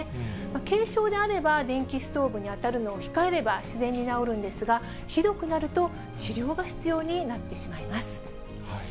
軽傷であれば、電気ストーブに当たるのを控えれば、自然に治るんですが、ひどくなると治療が必要になってしまいます。